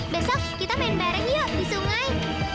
besok kita main bareng yuk di sungai